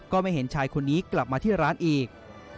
ไม่เห็นชายคนนี้กลับมาที่ร้านอีก